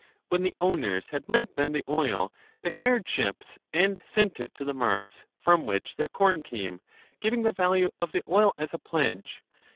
When the owners had lent them the oil, they hired ships and sent it to the marts from which their corn came, giving the value of the oil as a pledge.